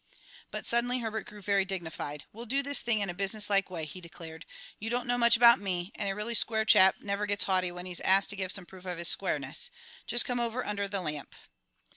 But suddenly Herbert grew very dignified. "We'll do this thing in a business like way," he declared. "You don't know much about me, and a really square chap never gets haughty when he's asked to give some proof of his squareness. Just come over under the lamp."